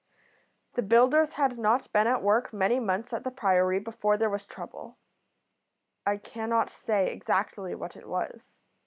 "The builders had not been at work many months at the Priory before there was trouble. I cannot say exactly what it was.